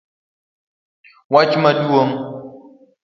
Wach maduong'